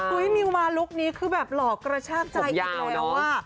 มิวมาลุคนี้คือแบบหลอกกระชากใจอีกแล้วอ่ะ